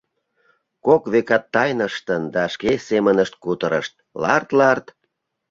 Кок векат тайныштын да шке семынышт кутырышт: Ларт-ларт!